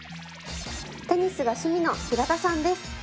テニスが趣味の平田さんです。